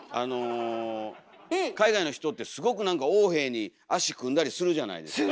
海外の人ってすごく何か横柄に足組んだりするじゃないですか。